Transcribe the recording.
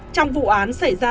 trong vụ án xảy ra